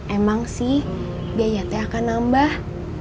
emang sih biaya teh akan nambah